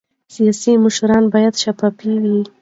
سیاسي مشران باید شفاف وي